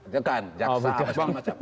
jangan jaksa apa semacamnya